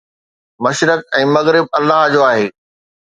مشرق ۽ مغرب الله جو آهي.